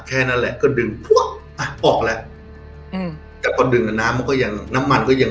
แค่นั้นแหละก็ดึงอ่ะออกแล้วอืมแต่พอดึงน้ำมันก็ยัง